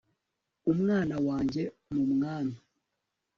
umwana wanjye mu mwami